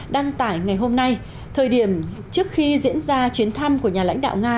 đăng tải ngày hôm nay thời điểm trước khi diễn ra chuyến thăm của nhà lãnh đạo nga